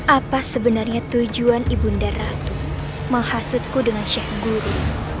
apa sebenarnya tujuan ibunda ratu menghasutku dengan sheikh guru